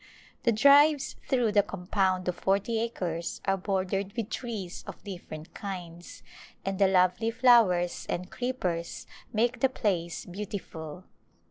The drives through the compound of forty acres are bordered with trees of different kinds and the lovely flowers and creepers make the place beautiful.